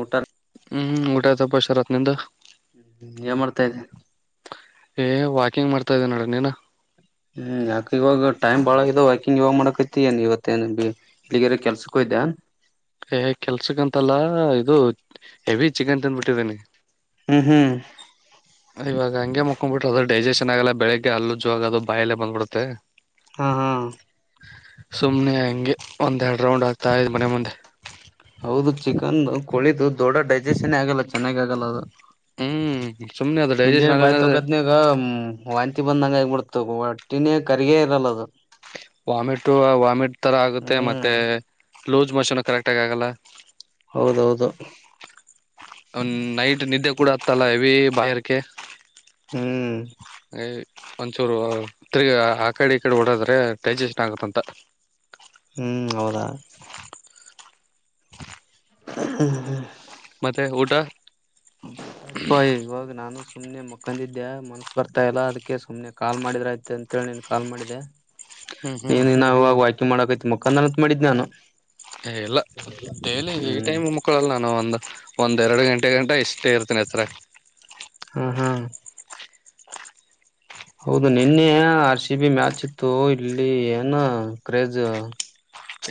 ಊಟ ಹ್ಮ್ ಊಟ ಸಬಾ ಶರತ್ ನಿಂದು. ಹ್ಮ ಏನ್ ಮಾಡ್ತ ಇದ್ಯ. ಏ ವಾಕಿಂಗ್ ಮಾಡ್ತಾ ಇದ್ದೆ ನೋಡ ನೀನ. ಹ್ಮ್ ಯಾಕ್ ಇವಾಗ ಟೈಮ್ ಬಾಳಗಿದ ವಾಕಿಂಗ್ ಇವಾಗ್ ಮಾಡಕತ್ತಿ ಏನ್ ಇವತ್ತೇನ್ ಬೆಳಿಗ್ಗೆರೆ ಕೆಲ್ಸಕ್ ಹೋಗಿದ್ಯ. ಏ ಕೆಲ್ಸಕ್ಕಂತಲ್ಲ ಇದು ಹೆವಿ ಚಿಕನ್ ತನ್ಬುಟ್ಟಿದಿನಿ. ಹ್ಮ್ ಹ್ಮ್. ಇವಾಗ ಹಂಗೆ ಮಕೊಂಬ್ ಬಿಟ್ರೆ ಅದ್ ಡೈಜೆಷನ್ ಆಗಲ್ಲ ಬೆಳಿಗ್ಗೆ ಹಲ್ ಉಜ್ಜುವಾಗ ಅದು ಬಾಯಲ್ಲೆ ಬಂದ್ಬುಡುತ್ತೆ. ಹಾ ಹಾ. ಸುಮ್ನೆ ಹಂಗೆ ಒಂದೆರಡ್ ರೌಂಡ್ ಆಗ್ತಾ ಇದ್ ಮನೆ ಮುಂದೆ. ಹೌದು ಚಿಕನ್ ಕೋಳಿದು. ದೊಡ ಡೈಜೆಸ್ನ್ ಆಗಲ್ಲ ಚೆನ್ನಾಗ್ ಆಗಲ್ಲ ಅದು ಹ್ಮ್ ಸುಮ್ನೆ ಅದು ಡೈಜೆಷನ್ ಮುಂಜಾನೆ ಆಗಲ್ಲ ಬಾಯಿ ತೊಕದ್ನಗ ಹ್ಮ್. ವಾಂತಿ ಬಂದಂಗ್ ಆಗ್ಬಿಡ್ತ ಒಟ್ಟಿನೇ ಕರಗೆ ಇರಲ್ಲ ಅದು. ವಾಮಿಟು ವಾಮಿಟ್ ತರ ಆಗುತ್ತೆ ಹ್ಮ್ ಮತ್ತೆ. ಲ್ಲೂಸ್ ಮೊಷನ್ನು ಕರೆಕ್ಟಾಗ್ ಆಗಲ್ಲ. ಹೌದೌದು. ಅವನ್ ನೈಟ್ ನಿದ್ದೆ ಕೂಡ ಆತ್ತಲ್ಲ ಇವವೆ ಬಾಯಾರಿಕೆ ಹ್ಮ್ ಒಂಚೂರು ತಿರ್ಗಿ ಆ ಕಡೆ ಈ ಕಡೆ ಓಡದ್ರೆ ಡೈಜೆಸ್ಟ್ ಆಗತ್ತಂತ ಹ್ಮ್ ಹೌದಾ ಹ್ಮ್ ಹ್ಮ್ ಮತ್ತೆ ಊಟ ಪ ಇವಾಗ ನಾನು ಸುಮ್ನೆ ಮುಕ್ಕಂದಿದ್ದೆ ಮನಸ್ ಬರ್ತಾ ಇಲ್ಲಾ ಅದಕ್ಕೆ ಸುಮ್ನೆ ಕಾಲ್ ಮಾಡಿದ್ರ ಐ್ತೆ ಅಂತೇಳಿ ನೀನ್ ಕಾಲ್ ಮಾಡಿದೆ ಹ್ಮ್ ಹ್ಮ್ ನೀನ್ನ ವಿವಾಗಾಯ್ತ [unintelligible] ಮಾಡಕೈತ್ ಮಕ್ಕಾಂದನತ್ ಮಾಡಿದ್ ನಾನು ಎಲ್ಲ ಡೇಲಿ ಈ ಹ್ಮ್ ಟೈಮ್ ಮುಕ್ಕಳಲ್ಲ ನಾನ ಒಂದು ಒಂದ್ೆರಡು ಗಂಟೆ ಗಂಟ ಇಷ್ಟೇ ಇರ್ತನ ಹತ್ರ ಹ್ಮ್ ಹ್ಮ್ ಹೌದು ನಿನ್ನೆ ಆ ರ್ಸಿ ಬಿ ಮ್ಯಾಚ್ ಇತ್ತು ಇಲ್ಲಿ ಏನು ಕ್ರೇಜ್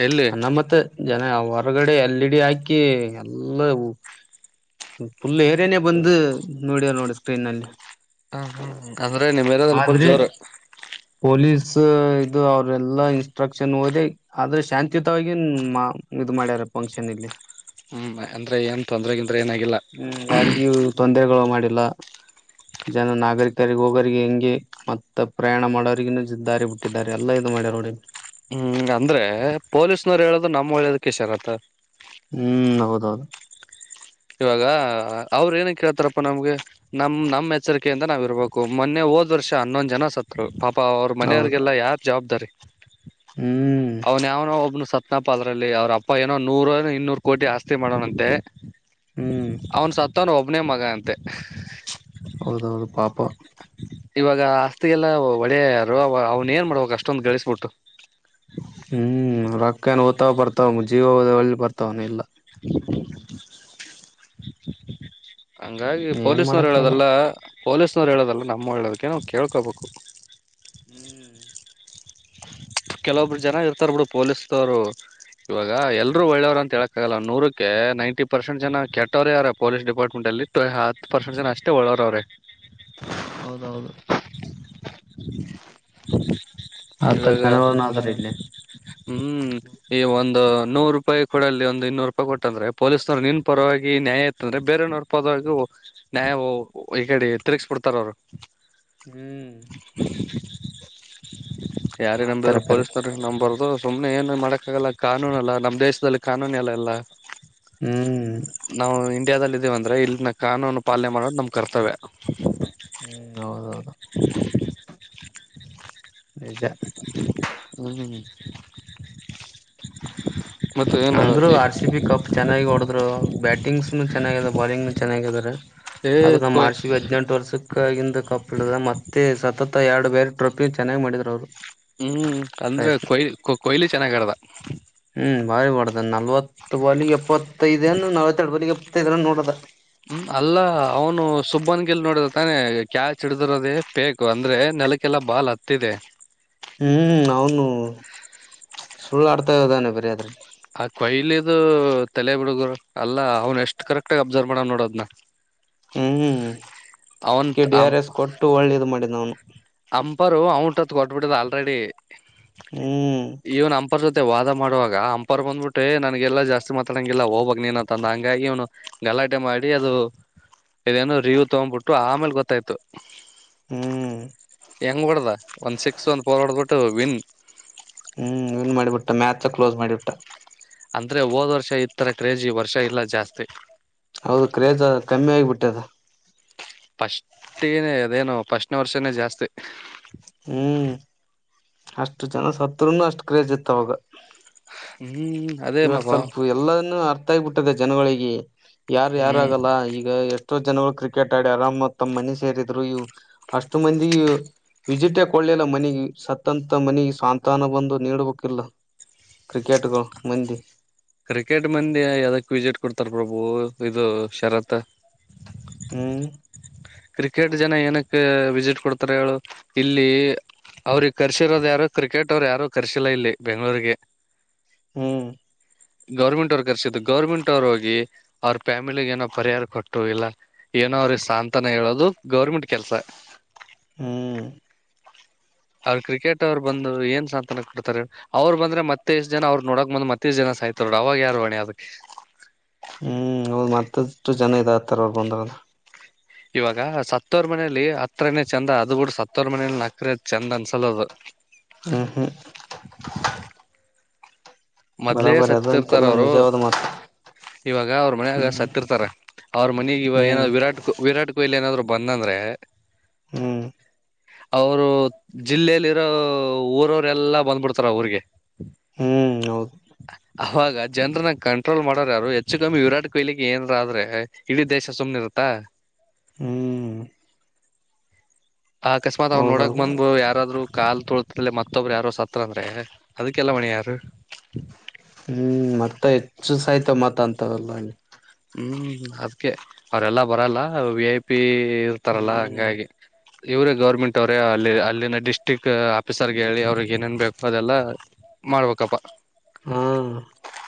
ಎಲ್ಲಿ ಹ ನ ಮತ್ತ ಜನ ಹೊರಗಡೆ ಎಲ್ ಇ ಡಿ ಹಾಕಿ ಎಲ್ಲ ಫುಲ್ ಏರಿಯನೇ ಬಂದು ನೋಡಲ್ಲ ನೋಡಿ ಸ್ಕ್ರೀನ್ಲ್ಲಿ ಹ ಹ ಗಾಧರೆ ನಿವ ಆದ್ರೆ ಪೊಲೀಸ್ ಇದು ಅವ್ರೆಲ್ಲಾ ಇನ್ಸ್ಟ್ರಕ್ಷನ್ ಓದಿ ಆದ್ರೆ ಶಾಂತಿಯುತವಾಗಿ ಇ ಮಾಡ್ಯಾರ ಫಂಕ್ಷನ್ ಇಲ್ಲಿ ಹ್ಮ್ ಅಂದ್ರೆ ಏನ್ ತೊಂದ್ರಗಿ ಹ್ಮ್ ಯಾರಿಗ ತೊಂದರೆಗಳು ಮಾಡಿ ಎಲ್ಲ ಜನ ನಾಗರಿಕರಿಗೆ ಹೋಗೋರಿಗೆ ಹೆಂಗೆ ಮತ್ತ ಪ್ರಯಾಣ ಮಾಡೋರಿಗ ದಾರಿ ಬಿಟ್ಟಿದ್ದಾರೆ ಎಲ್ಲಾ ಇದು ಮಾಡ್ಯಾರ ನೋಡಿ ಹ್ಮ್ ಅಂದ್ರೆ ಪೊಲೀಸ್ನವರು ಹೇಳದು ನಮ್ ಒಳ್ಳೇದಕ್ಕೆ ಶರತ ಹ್ಮ್ ಹೌದೌದು ಇವಾಗ ಅವ್ರು ಏನ ಕೇಳ್ತಾರಪ್ಪ ನಮ್ಗೆ ನಮ್ ನಮ್ ಎಚ್ಚರಿಕೆಯಿಂದ ನಾವ್ ಇರ್ಬೇಕು ಮೊನ್ನೆ ಹೋದ್ ವರ್ಷ ಹನ್ನೊಂದ್ ಜನ ಸತ್ರು ಪಾಪ್ ಅವ್ರ ಹೌದು ಮನೆಯವ್ರರಿಗೆಲ್ಲ ಯಾರ್ ಜವಾಬ್ದಾರಿ ಹ್ಮ್ ಅವ್ನ್ ಯಾವನೋ ಒಬ್ಬನು ಸತ್ ನಪ್ಪ ಅದ್ರಲ್ಲಿ ಅವ್ರ ಅಪ್ಪ ಏನೋ ನೂರ ಇನ್ನೂರು ಕೋಟಿ ಆಸ್ತಿ ಮಾಡೋಣಂತೆ ಹ್ಮ್ ಅವ್ನ್ ಸತ್ ತನ್ ಒಬ್ನೇ ಮಗ ಅಂತೆ ಹೌದೌದು ಪಾಪ ಇವಾಗ ಆಸ್ತಿಗೆಲ್ಲ ಒಡೆಯ ಯಾರು ಅವ್ನ್ ಏನ್ ಮಾಡ್ಬೇಕ್ ಅಷ್ಟೊಂದ ಗಳಿಸ್ಬಿಟ್ಟು ಹ್ಮ್ ರೊಕ್ಕ ಓದ್ತವ್ ಬರ್ತವ್ ಜೀವ ಬರ್ತವನ ನಿಲ್ಲಾ [inaudible] ಹಂಗಾಗಿ ಏನ್ ಪೊಲೀಸ್ನವ್ರು ಮಾಡಕ್ಕಲ್ಲ ಹೇಳೋದೆಲ್ಲ ಪೊಲೀಸ್ನವ್ರು ಹೇಳೋದಲ್ಲ ನಮ್ ಒಳೆದಕ್ಕೆ ನಾವು ಕೇಳ್ಕೊಬೇಕು ಹ್ಮ್ ಕೆಲ್ವೊಬ್ರು ಜನ ಇರ್ತರೆ ಬಿಡು ಪೊಲೀಸ್ದೋರು ಇವಾಗ ಎಲ್ರು ಒಳ್ಳೆವ್ರಲ್ಲ ಅಂತ್ ಹೇಳಕಾಗಲ್ಲ ನೂರಕ್ಕೆ ನೈನ್ಟಿ ಪರ್ಸೆಂಟ್ ಜನ ಕೆಟ್ಟವ್ರೆ ಅರಾ ಪೊಲೀಸ್ ಡಿಪಾರ್ಟ್ಮೆಂಟ್ ಅಲ್ಲಿ ಬಿಟ್ರೆ ಹಾತ್ ಪರ್ಸೆಂಟ್ ಅಷ್ಟೇ ಒಳ್ಳೆವ್ರ್ ಅವ್ರೇ ಹೌದೌದು [inaudible] ಆತಲ್ ಇವಾಗ ಜನ ಹ್ಮ್ ಈ ಒಂದು ನೂರು ರೂಪಾಯಿ ಕೊೂಡ ಅಲ್ಲಿ ಒಂದು ಇನ್ನೂರು ರೂಪಾಯಿ ಕೊಟ್ಟಂದ್ರೆ ಪೊಲೀಸ್ನವರು ನಿನ್ ಪರವಾಗಿ ನ್ಯಾಯ ಇತ್ತಂದ್ರೆ ಬೇರನವ್ರ ಪರವಾಗಿ ನ್ಯಾಯ ಈ ಕಡೆ ತಿರುಗಸ್ಬಿಡ್ತಾರ ಅವ್ರು ಹ್ಮ್ ಯಾರೇ ಮಾಡ್ತಾರ ನಂಬದ್ರು ಕರೆ ಪೊಲೀಸ್ ನೋರಿಗ್ ನಂಬರ್ದು ಅದು ಸುಮ್ನೆ ಏನು ಮಾಡಕ್ಕಾಗಲ್ಲ ಕಾನೂನ ಅಲ್ಲ ನಮ್ಮ್ ದೇಶದಲ್ಲಿ ಕಾನೂನು ಎಲ್ಲ ಎಲ್ಲ ಹ್ಮ್ ನಾವು ಇಂಡಿಯಾದಲ್ಲಿ ಂದ್ರೆ ಇಲ್ಲಿನ ಕಾನೂನು ಪಾಲನೆ ಮಾಡೋ ನಮ್ ಕರ್ತವ್ಯ ಹ್ಮ್ ಹೌದೌದು [inaudible] ಈಜ [unintelligible] ಹ್ಮ್ [unintelligible] ಏನು ಅಂದ್ರು ಆರ್ ಸಿ ಬಿ ಕಪ್ ಚೆನ್ನಾಗಿ ಹೊಡದ್ರು ಬ್ಯಾಟಿಂಗ್ನು ಚೆನ್ನ ಬಾಲಿಂಗ್ ಚೆನ್ನಾಗಾರೆ ಏ ಆದದು ನಮ್ಮ ಕೊಯ್ ಆರ್ ಸಿ ಬಿ ಹದ್ಿನೆಂಟು ವರ್ಷಕ್ಕಾಗಿಿಂದ ಕಪ್ ಇಡ ಮತ್ತೆ ಸತತ್ ಎರಡು ಬೇರೆ ಟ್ರೋಫಿ ಚೆನ್ನಾಗಿ ಮಾಡಿದ್ರು ಅವರು ಹ್ಮ್ ಅಂದ್ರ ಪ್ರಯತ್ನ ಕೊಯ್ಲಿ ಕೊಯ್ಲಿ ಚೆನ್ನಾಗಆಡಿದ ಹ್ಮ್ ಭಾರಿ ಪಡ್ದ ನಲ್ವತ್ತು ಬಳಗೆ ಎಪ್ಪತ್ತು [unintelligible] ತೈದ ಎನ್ ನವತ್ತಿಗೆ ಇದ್ರ ನೋಡದ ಹ್ಮ್ ಅಲ್ಲ ಅವನು ಸುಬ್ಬನ್ಿಗೆ [unintelligible] ನೋಡ್ರ ತಾನೆ ಕ್ಯಾಚ್ ಹಡಿದಿರದೇ ಬೇಕು ಅಂದ್ರೆ ನೆಲಕ್ಕೆಲ್ಲಾ ಬಾಲ್ ಹತ್ತಿದೆ ಹ್ಮ್ ಅವನು ಸುಳ್ಳಾಡ್ತಾ ಇದದಾನೆ ಬರಿ ಅಾದ್ರಲ್ಲಿ ಆ ಕೊಯ್ಲದು ತಲೆ ಬಿುಡುಗರು ಅಲ್ಲ ಅವ್ನ್ ಎಷ್ಟ್ ಕರೆಕ್ಟ್ ಆಗ ಅಬ್ಸರ್ವ್ ಮಾಡ ನೋಡೋದ್ನ [unintelligible] ಹ್ಮ್ ಅಕ್ಕಿ ಡಿ ಆರ್ ಎಸ್ ಕೊಟ್ಟು ಒಳ್ಳೆದು ಮಾಡಿದ ಅವನು ಅಂಪಾರು ಅವಟ [unintelligible] ಕೊಟ್ಟುಬಿಟ್ಟಿದೆ ಆಲ್ರೆಡಿ ಹ್ಮ್ ಇವನ್ ನ [unintelligible] ಹಂಪರ್ ಜೊತೆ ವಾದ ಮಾಡುವಾಗ ಅಂಪರ್ ಬಂದ್ಬಿಟ್ಟೆ ನನಗೆಲ್ಲಾ ಜಾಸ್ತಿ ಮಾತಾಡಂಗಿಲ್ಲ ಹೋಗ್ಾಗ ನೀನ ಅಂತಂದ ಹಂಗಾಗಿ ಅವ್ನು ಗಲಾಟೆ ಮಾಡಿ ಅದು ಇದೇನು ರಿವ್ ತಗ್ಬಿಟ್ಟು ಆಮೇಲ್ ಗೊತ್ತಾಯ್ತು ಹ್ಮ್ ಹೆಂಗ್ ಹೋಡ್ದ ಒಂದ್ ಸಿಕ್ಸ್ ಒಂದ್ ಪೋಲ್ ಹೊಡಬಿಟ್ಟು ತ ವಿನ್ [unintelligible] ಹ್ಮ್ ಅವ್ನ್ ಮಾಡ್ಬಿಟ್ಟ ಮ್ಯಾತ್ಸ್ ಕ್ಲೋಸ್ ಮಾಡ್ಬಿಟ್ಟ. ಅಂದ್ರೆ ಹೋದ್ ವರ್ಷ ಈ ತರ ಕ್ರೇಜಿ ಈ ವರ್ಷ ಇಲ್ಲ ಜಾಸ್ತಿ. ಹೌದು ಕ್ರೇಜ ಕಮ್ಮಿ ಆಗ್ಬಿಟ್ಟದ. ಪಷ್ಟೇಗಿನೇ ಅದೇನು ಪಸ್ಟ್ನೆ ವರ್ಷನೇ ಜಾಸ್ತಿ. ಹ್ಮ್ ಅಷ್ಟು ಜನ ಸತ್ರುನು ಅಷ್ಟ ಕ್ರೆಸ್ ಈತ್ ಅವಾಗ. ಹ್ಮ್ ಅದೇ ಇವಾಗ್ ಪಾಪ ಸ್ವಲ್ಪ ಎಲ್ಲನ್ನು ಅರ್ಥ ಆಗ್ಬಿಟ್ ಟ್ಟದ ಜನ್ಗುಳಿಗೆ. ಯಾರು ಹ್ಮ್ ಯಾರಾಗಲ್ಲ ಈಗ ಎ ಎಷ್ಟೋ ಜನಗಳ್ ಕ್ರಿಕೆಟ್ ಆಡಿ ಆರಾಮ ತಮ್ಮ ಮನೆ ಸೇರಿದ್ರು ಇವ್ ಅಷ್ಟು ಮಂದಿ ವಿಜಿಟ್ಟೆ ಕೊಡ್ಲಿಲ್ಲ ಮನಿಗೆ ಸತಂತ ಮನಿಗ್ ಸಾನ್ತ್ವನ ಬಂದು ನೀಡಡ್ಬೇಕಿಲ್ಲೋ ಕ್ರಿಕೆಟ್ಗಳು. [unintelligible] ಮಂದಿ. ಕ್ರಿಕೆಟ್ ಮಂದಿ ಯದಕ್ ವಿಸಿಟ್ ಕೊಡ್ತಾರ್ ಪ್ರಭು ಇದು ಶರತ. ಹ್ಮ ಕ್ರಿಕೆಟ್ ಜನ ಏನಕ್ಕ ವಿಸಿಟ್ ಕೊಡ್ತಾರ ಹೇಳು ಇಲ್ಲಿ ಅವ್ರಗ್ ಕರ್ಸಿರೋದ್ ಯಾರು ಕ್ರಿಕೆಟ್ ಅವ್ರು ಯಾರು ಕರ್ಸಿಲ್ಲ ಇಲ್ಲಿ ಬೆಂಗ್ಳೂರ್ಗೆ. ಹ್ಮ್ ಗೌರ್ಮೆಂಟ್ ಅವ್ರ ಕರ್ಸಿದ್ದು ಗೌರ್ಮೆಂಟ್ ಅವ್ರ್ ಹೋಗಿ ಅವ್ರ ಫ್ಯಾಮಿಲಿಗ್ ಏನೋ ಪರಿಹಾರ ಕೊಟ್ಟು ಇಲ್ಲ ಏನೋ ಅವರ್ಗ್ ಸಾಂತನೆ ಹೇಳೋದು ಗೌರ್ಮೆಂಟ್ ಕೆಲ್ಸ. ಹ್ಮ್ ಅವ್ರ ಕ್ರಿಕೆಟ್ ಅವ್ರು ಬಂದು ಏನ್ ಸಾಂತ್ವನ ಕೊಡ್ತಾರ್ ಹೇಳ್ ಅವ್ರು ಬಂದ್ರೆ ಮತ್ತೆ ಇಷ್ಟ ಜನ ಅವ್ರ ನೋಡಕ್ ಬಂದ ಮತ್ ಇತ್ತೀ ಜನ ಸಾಯ್ತೋಡ್ ಅವಾಗ್ ಯಾರ್ ಹೊಣೆ ಅದಕ್ಕೆ. ಹ್ಮ್ ಹೌದ್ ಮತ್ತಷ್ಟು ಜನ ಇದ್ ಆತ್ತರವ್ರು ಬಂದಾಗ. ಇವಾಗ ಸತ್ತವ್ರ್ ಮನೆಲಿ ಹತ್ರೆನೇ ಚಂದ ಅದು ಬಿಡು ಸತ್ತವ್ರ್ ಮನೆಲ್ಲಿ ನಕ್ರ ಚಂದ ಅನ್ಸಲದು. ಹ್ಮ್ ಹ್ಮ್ ಮೊದ್ಲೇ ಬರಾಬರಿ ಅದ ಸತ್ತಿರ್ತಾರ ಅಂತೆಲ್ಲ ಅವ್ರು ನಿಜವಾದ ಮಾತು ಇವಾಗ ಅವ್ರ್ ಮನ್ಯಗ ಹ್ಮ್ ಸತ್ತಿರ್ತಾರ ಅವ್ರ್ ಮನಿಗ್ ಇವಾಗ್ ಹ್ಮ್ ಏನಾದ್ ವಿರಾಟ್ ವಿರಾಟ್ [unintelligible] ಏನಾದ್ರು ಬಂದಂದ್ರೆ ಹ್ಮ್ ಅವ್ರು ಜಿಲ್ಲೆಲ್ ಇರೋ ಊರವ್ರೆಲ್ಲಾ ಬಂದ್ಬುಡ್ತಾರ್ ಅ ಊರಿಗೆ. ಹ್ಮ್ ಹೌದು ಅವಾಗ ಜನ್ರನ್ನ ಕಂಟ್ರೋಲ್ ಮಾಡೋರ್ ಯಾರು ಹೆಚ್ಚು ಕಮ್ಮಿ ವಿರಾಟ್ ಕೊಹ್ಲಿಗೆ ಏನ್ರ ಆದ್ರೆ ಇಡೀ ದೇಶ ಸುಮ್ನೆ ಇರುತ್ತ. ಹ್ಮ್ ಆ ಅಕಸ್ಮಾತ್ ಅವ್ ನೋಡಕ್ ಹೌದೌದು ಬಂದು ಯಾರಾದ್ರು ಕಾಲ್ ತುಳತೆ ಮತೋಬ್ರ್ ಯಾರ ಸತ್ರ ಅಂದ್ರೆ ಅದಕ್ಕೆಲ್ಲ ಹೊಣೆ ಯಾರು. ತ ಹೆಚ್ಚು ಸಾಯ್ತ ಮತ್ ಅಂತೊರ್ ಎಲ್ಲ ಹಂಗೆ. ಹ್ಮ್ ಅದ್ಕೆ ಅವ್ರೆಲ್ಲ ಬರಲ್ಲ ವಿ ಐ ಪಿ. ಇ ಇರ್ತಾರಲ್ಲಾ ಹ್ಮ್ ಹಂಗಾಗಿ. ಇವ್ರೇ ಗೌರ್ಮೆಂಟ್ ಅವ್ರೇ ಅಲ್ಲಿ ಅಲ್ಲಿನ ಡಿಸ್ಟ್ರಿಕ್ ಆಫೀಸರ್ಗೆ ಹೇಳಿ ಅವ್ರಿಗೆ ಏನೇನ್ ಬೇಕು ಅದೆಲ್ಲ ಮಾಡ್ಬೇಕಪ್ಪ. ಹ್ಮ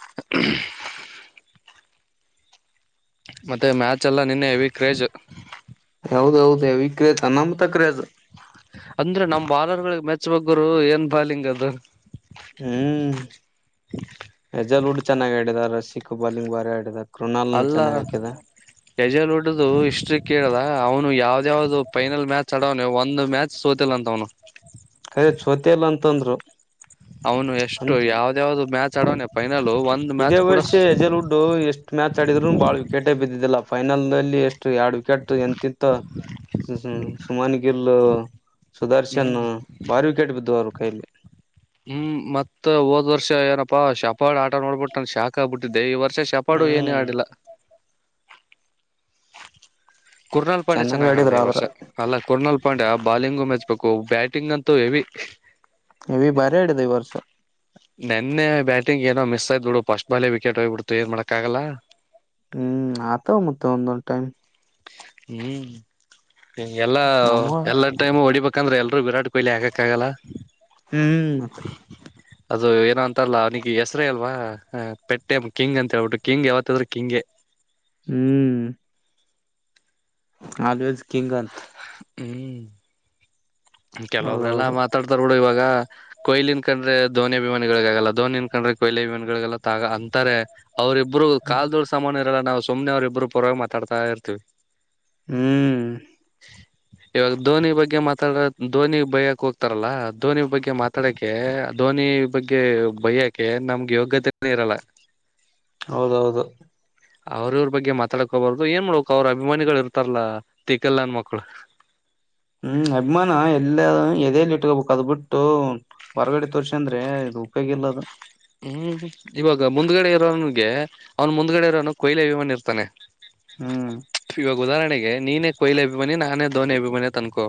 [unintelligible] ಮತ್ತೆ ಮ್ಯಾಚ್ ಎಲ್ಲ ನಿನ್ನೆ ಹೆವಿ ಕ್ರೇಜ್. ನನ್ ಅಮ್ ತಕ್ ಕ್ರೇಜು. ಅಂದ್ರೆ ನಮ ಬಾಲರ್ಗಳಿಹ್ ಮೆಚ್ಬೇಕ್ ಗುರು ಏನ್ ಬಾಲಿಂಗ್ ಅದು. ಹ್ಮ್ ಯಜಲ್ ಉಡ್ ಚೆನ್ನಾಗ್ ಆಡಿದ ರಶಿ ಕ್ ಬಾಲಿಂಗ್ ಬಾರಿ ಆಡಿದ. ಕೃಣಾಲ್ನು ಅಲ್ಲ ಚೆನ್ನಾಗ್ ಹಾಕಿದ ಗಜಲ್ ಉಡ್ಡದು ಇಷ್ಟ್ರಿ. ಕೇಳ್ದ ಅವ್ನು ಯಾವ್ದ ಯಾವ್ದು ಫೈನಲ್ ಮ್ಯಾಚ್ ಆಡವ್ನೆ ಒಂದ್ ಮ್ಯಾಚ್ ಸೋತಿಲ್ಲ ಅಂತೆ ಅವ್ನು. ತಂದ್ರು. ಅವ್ನು ಎಷ್ಟು ಯಾವ್ದ ಯಾವ್ದು ಮ್ಯಾಚ್ ಚಾಡ್ ಆಡವ್ನೆ ಫೈನ್ ಇದೇ ವರ್ಷ ಯಜಲ್ವುಡ್ಡು ಎಷ್ಟ ಮ್ಯಾಚ್ ಆಡಿದ್ರು ಬಾಳ್ ವಿಕೇಟೆ ಬಿದ್ದಿದ್ದಿಲ್ಲ. ಫೈನಲ್ ನಲ್ಲಿ ಎಷ್ಟ್ರಿ ಯಡ್ ವಿಕೆಟ್ ಯಂ ತಿತು ಹಃ ಹ. ಮನ್ಗಿಲ್ಲೋ. ಸುದರ್ಶನ್ನು ಹ್ಮ್ ಬಾರಿ ವಿಕೆಟ್ ಬಿದ್ದವ್ರು. ಕೈಲಿ. ಹ್ಮ್ ಮತ್ತ ಹೋದ್ ವರ್ಷ ಏನ ಪ ಶಾಪಳ್ ಆಟ ನೋಡ್ಬುಟ್ ನನ್ ಶಾಕ್ ಆಗ್ಬುಟ್ಟಿದೆ ಈ ವರ್ ಷ ಶಪಾಡು ಏನೇ ಹ್ಮ್ ಆಡಿಲ್ಲ. ಕುರ್ನಾಲ್ ಪಾಂಡೆ ಚೆನ್ನಾಗ್ ಚೆನಗ್ ಆಡಿದ್ರ ಆಡ್ದ ಈ ವರ್ಷ ಆದ್ರ ಅಲ್ಲ ಕುರ್ನಾಲ್ ಪಾಂಡೆ ಆ ಬಾಲಿಂಗು ಮೆಚ್ ರುಕೋ ಬ್ಯಾಟಿಂಗ್ ಅಂತೂ ಎವಿ. ಎವಿ ಬಾರಿ ಆಡಿದ ಈ ವರ್ಷ. ನೆನ್ನೆ ಬ್ಯಾಟಿಂಗ್ ಏನೋ ಮಿಸ್ ಆಯ್ತ್ ದುಡು ಫಸ್ಟ್ ಬಾಲೆ ವಿಕೆಟ್ ಹೋಗ್ಬಿಡ್ತು ಏನ್ ಮಾಡಕ್ಕಾಗಲ್ಲ. ಹ್ಮ್ ಅತವ್ ಮತ್ತ ಒಂದೊಂದು ಟೈಮ್. ಏಯ್ ಎಲ್ಲಾ ನಮ್ಮವ ಎಲ್ಲಾ ಟೈಮ್ ಹೊಡಿಬೇಕ್ ಕಂದ್ರೆಲ್ ವಿರಾಟ್ ಕೊಹ್ಲಿ ಆಗಕಾಗಲ್ಲ ಹ್ಮ್ ಅದು ಏನೋ ಅಂತರಲ್ಲ ಅವ್ನಿಗೆ ಹೆಸ್ರೇ ಇಲ್ವಾ ಪೆಟ್ಟೆ ನೇಮ್ ಕಿಂಗ್ ಅಂತ ಹೇಳ್ಬಿಟ್ಟು ಕಿಂಗ್ ಯಾವತ್ತಾದ್ರೂ ಕಿಂಗೆ. ಹ್ಮ ಆಲ್ವೆಸ್ ಕಿಂಗಂತ್. ಹ್ಮ ಈ ಕೆಲವೊಬ್ರೆಲ್ಲ ಹೌದೌದು ಮಾತಾಡ್ತಾರ್ಬಿಡು ಇವಾಗ. ಕೊಯ್ಲಿನ್ ಕಂಡ್ರೆ ಧೋನಿ ಅಭಿಮಾನಿಗಳಿಗಾಗಲ್ಲ ಧೋನಿನ್ ಕಂಡ್ರೆ ಕೊಯ್ಲಿ ಅಭಿಮಾನಿಗಳಿಗಾಗಲ್ಲ ಅಂತ್ ಅಂತಾರೆ. ಅವ್ರರಿಬ್ರು ಹ್ಮ್ ಕಾಲ್ದುಳ್ ಸಮಾನ್ [unintelligible] ನಾವ್ ಸುಮ್ನೆ ಅವ್ರ್ ಇಬ್ರು ಪರ್ವಾಗಿ ಮಾತಾಡ್ತಾ ಇರ್ತಿವಿ. ಹ್ಮ ಇವಾಗ್ ಧೋನಿ ಬಗ್ಗೆ ಮಾತಾಡ ಧೋನಿ ಬಯ್ಯಕ್ ಹೋಗ್ತಾರಲ್ಲ ಧೋನಿ ಬಗ್ಗೆ ಮಾತಾಡಕೇ ಧೋನಿ ಬಗ್ಗೆ ಬಯ್ಯಕೆ ನಮ್ಗೆ ಯೋಗ್ಯತೆನೆ ಇರಲ್ಲ. ಹೌದೌದು. ಅವ್ರ್ ಇವ್ರ್ ಬಗ್ಗೆ ಮಾತಾಡ್ಕೋಬಾರ್ದು ಏನ್ ಮಾಡ್ಬೇಕು ಅವ್ರ್ ಅಭಿಮಾನಿಗಳು ಇರ್ತಾರಲ್ಲ ತಿಕಲ್ನನ್ನ ಮಕ್ಳು. ಹ್ಮ ಅಭಿಮಾನ ಎಲ್ಲ ಎದೆಲಿ ಇಟ್ಕೋಬೇಕ ಅದ್ ಬಿಟ್ಟು ಹೊರಗಡೆ ತೋರ್ಸಿ ಅಂದ್ರೆ ಇದು ಉಪಯೋಗ ಇಲ್ಲ ಅದು. ಹ್ಮ ಇವಾಗ ಮುಂದ್ಗಡೆ ಇರೋನ್ಗೆ ಅವ್ನು ಮುಂದ್ಗಡೆ ಇರೋವ್ನು ಕೊಯ್ಲಿ ಅಭಿಮಾನಿ ಇರ್ತಾನೆ. ಹ್ಮ ಇವಾಗ್ ಉದಾಹರ್ಣೆಗೆ ನೀನೇ ಕೊಯ್ಲೆ ಅಭಿಮಾನಿ ನಾನೇ ದೋನಿ ಅಭಿಮಾನಿ ತನ್ಕೋ.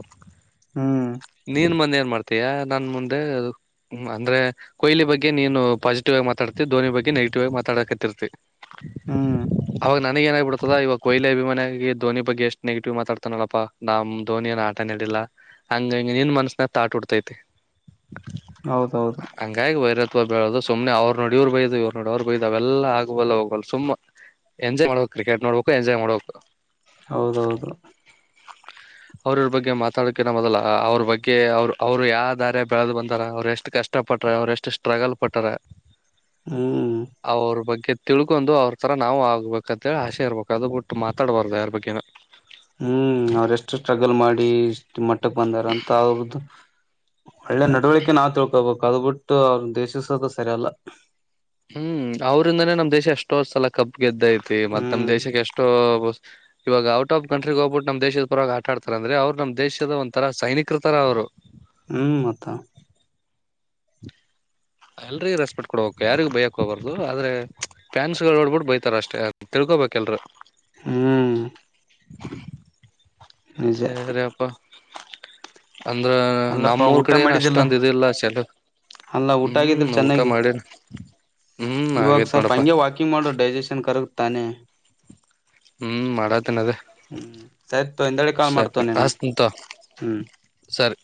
ಹ್ಮ್ ನೀನ್ ಮಂದ್ ಏನ್ ಮಾಡ್ತ ತ್ಯ ನನ್ ಮುಂದೆ ಅಂದ್ರೆ ಕೊಹ್ಲಿ ಬಗ್ಗೆ ನೀನು. ಪಾಸಿಟಿವಾಗ್ ಮಾತಾಡ್ತಿ ಧೋನಿ ಬಗ್ಗೆ ನೆಗೆಟಿವ್ ಆಗ್ ಮಾತಾಡ ಕತ್ತಿರ್ತಿ. ಹ್ಮ್ ಅವಾಗ್ ನನಿಗ್ ಏನಾಗಿಬಿಡ್ತದ ಇವಾಗ್ ಕೊಹ್ಲಿ ಅಭಿಮಾನಿಯಾಗಿ ಧೋನಿ ಬಗ್ಗೆ ಎಷ್ಟು ನೆಗೆಟಿವ್ ಮಾತಾಡ್ತಾನಲ್ಲಪ್ಪಾ ನಮ್ ಧೋನಿ ಏನ್ ಆಟನೇ ಆಡಿಲ್ಲ ಹಂಗಾಗಿ ನಿನ್ ಮನ್ಸನ್ಯಾಗ್ ತಾಟ್ ಹುಟ್ತತಿ. ಹೌದೌದು ಹಂಗಾಗಿ ವೈರ ತೊ ಬೆಳ್ದು ಸೋಪ್ ಸುಮ್ನೆ ಅವ್ರನ್ನೋಡಿ ಇವ್ರ ಬಯ್ಯೋದು ಇವ್ರನ್ ನೋಡಿ ಅವ್ರ ಬಯ್ಯೋದು ಅವೆಲ್ಲ ಆಗಬಲ್ಲ ಹೋಗಬಲ್ಲ ಸುಮ್ಮ ಎಂಜಾಯ್ ಮಾಡ್ಬೇಕ್ ಕ್ರಿಕೆಟ್ ನೋಡ್ಬೇಕು ಎಂಜಾಯ್ ಮಾಡ್ಬೇಕ್. ಹೌದೌದು ಅವ್ರ್ ಇವ್ರ್ ಬಗ್ಗೆ ಮಾತಾಡಾಕಿನ್ನ ಮೊದ್ಲ ಅವ್ರ್ ಬಗ್ಗೆ ಅವ್ರ್ ಅವ್ರ್ ಯಾಬ್ ದಾರ್ಯಾಗ್ ಬೆಳೆದ್ ಬಂದಾರ ಅವ್ರ್ ಎಷ್ಟ ಕಷ್ಟ ಪಟರ ಅವ್ರು ಎಷ್ಟು ಸ್ಟ್ರಗಲ್ ಪಟ್ಟರ. ಹ್ಮ್ ಅವ್ರ್ ಬಗ್ಗೆ ತಿಳ್ಕೊಂಡು ಅವ್ರ್ ತರ ನಾವು ಆಗ್ಬೇಕಂತೇಳಿ ಆಶೆ ಇರ್ಬೇಕು ಅದ್ ಬಿಟ್ಟು ಮಾತಾಡ್ಬಾರ್ದು ಯಾರ್ ಬಗ್ಗೆನು. ಹ್ಮ ಅವ್ರೆಷ್ಟು ಸ್ಟ್ರಗಲ್ ಮಾಡಿ ಇಷ್ಟ ಮಟ್ಟಕ್ ಬಂದಾರ ಅಂತ ಅವ್ರದ್ದು ಒಳ್ಳೆ ನಡವಳಿಕೆ ನಾವು ತಿಳ್ಕೊಬೇಕು ಅದ್ ಬಿಟ್ಟು ಅವ್ರ ದ್ವೇಷಿಸೋದು ಸರಿ ಅಲ್ಲ. ಹ್ಮ ಅವ್ರಿಂದಾನೇ ನಮ್ಮ ದೇಶ ಎಷ್ಟೋ ಸಲಕ್ ಕಪ್ ಗೆದ್ದ ಐತಿ ಮತ್ ನಮ್ ಹ್ಮ್ ದೇಶಕ್ ಎಷ್ಟೋ ಇವಾಗ ಔಟ್ ಆಫ್ ಕಂಟ್ರಿಗ್ ಹೋಗ್ಬಿಟ್ಟು ನಮ್ ದೇಶದ ಪರವಾಗಿ ಆಟ ಆಡ್ತಾರ ಅಂದ್ರೆ ಅವ್ರು ನಮ್ ದೇಶದ ಒಂತರ ಸೈನಿಕರ ತರ ಅವ್ರು. ಹ್ಮ ಮತ್ತ. ಎಲ್ರಿಗ್ ರೆಸ್ಪೆಕ್ಟ ಕೊಡ್ಬೇಕು ಯಾರಿಗ್ ಬಯಕ್ ಹೋಗಾರ್ದು ಆದ್ರೆ ಫ್ಯಾನ್ಸ್ಗಳು ನೋಡ್ಬಿಟ್ಟು ಬೈತಾರ ಅಷ್ಟೇ ತಿಳ್ಕೋಬೇಕೆಲ್ರು. ಹ್ಮ ಸರಿ ಅಪ್ಪ. ಅಂದ್ರ ಅಲ್ಲಪ್ಪಾ ನಮ್ಮೂರ್ ಊಟ ಕಡೆ ಏನ ಮಾಡಿದ್ದಿಲ್ಲ ಅಷ್ಟೊಂದ್ ಇದಿಲ್ಲ ಸೇಕ ಅಲ್ಲ ಹ್ಮ್ ಊಟ ಮಾಡೆನಿ. ಇವಾಗ್ ಸ್ವಪ್ ಹಂಗೆ ವಾಕಿಂಗ್ ಮಾಡೋ ಡೈಜೆಷನ್ ಕರ ತಾನೆ. ಹ್ಮ ಮಾಡತೀನ್ ಅದೇ ಸರಿ ತೊ ಹಿಂದೆಡೆ ಕಾಲ್ ಸರಿ ಮಾಡ್ತವ ನಿನ್ಗೆ ಅಷತಿನ್ ತೊಗ್ ಹ್ಮ್ ಸರಿ.